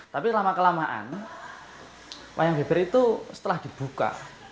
tapi lama kelamaan wayang beber itu setelah dibuka